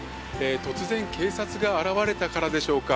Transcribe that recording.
突然、警察が現れたからでしょうか。